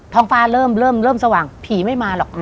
ท้องฟ้าเริ่มเริ่มเริ่มสว่างผีไม่มาหรอก